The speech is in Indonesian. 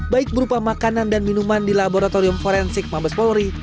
baik berupa makanan dan minuman di laboratorium forensik mabes polri